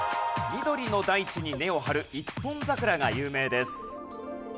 緑の大地に根を張る一本桜が有名です。